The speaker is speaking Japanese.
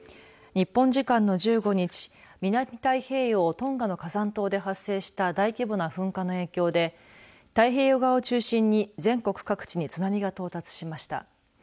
日本時間の１５日南太平洋トンガの火山島で発生した大規模な噴火の影響で太平洋側を中心に全国各地に津波が到達しました。